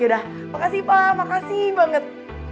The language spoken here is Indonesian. udah makasih pak makasih banget